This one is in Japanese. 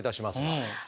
はい。